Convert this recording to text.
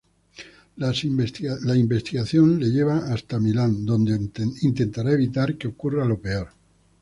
La investigación le lleva hasta Milán, donde intentará evitar que ocurra lo peor.